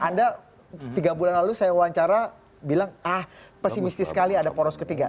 anda tiga bulan lalu saya wawancara bilang ah pesimistis sekali ada poros ketiga